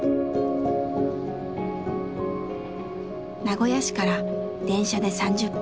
名古屋市から電車で３０分。